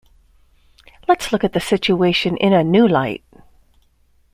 Let's look at the situation in a new light.